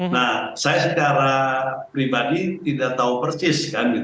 nah saya secara pribadi tidak tahu persis